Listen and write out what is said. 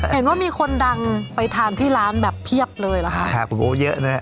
เห็นว่ามีคนดังไปทานที่ร้านแบบเพียบเลยเหรอคะครับโอ้เยอะนะฮะ